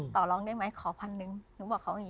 ต่อร้องได้ไหมขอพันหนึ่งหนูบอกเขาอย่างนี้